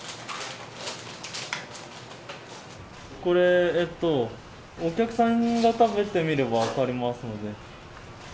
これえっとお客さんが食べてみれば分かりますので。